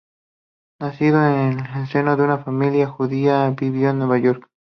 Nacido en el seno de una familia judía, vivió en Nueva York.